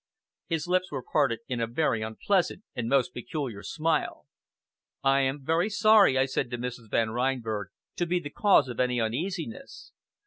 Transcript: His lips were parted in a very unpleasant and most peculiar smile. "I am very sorry," I said to Mrs. Van Reinberg, "to be the cause of any uneasiness."